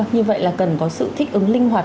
như vậy là cần có sự thích ứng linh hoạt